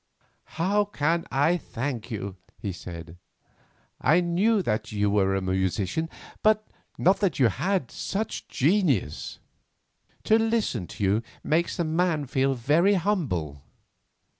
"How can I thank you?" he said. "I knew that you were a musician, but not that you had such genius. To listen to you makes a man feel very humble."